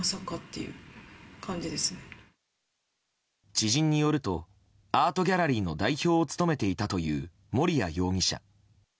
知人によるとアートギャラリーの代表を務めていたという盛哉容疑者。